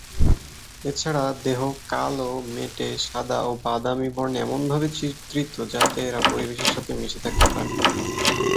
এছাড়া দেহ কালো, মেটে, সাদা ও বাদামি বর্ণে এমনভাবে চিত্রিত যাতে এরা পরিবেশের সাথে মিশে থাকতে পারে।